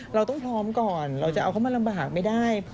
เราต้องพร้อมก่อนเราจะเอาเขามาลำบากไม่ได้